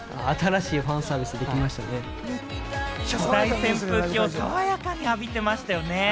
特大扇風機を爽やかに浴びてましたね。